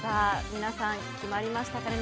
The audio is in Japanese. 皆さん、決まりましたかね。